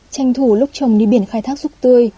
tranh thủ lúc chồng đi biển khai thác ruốc tươi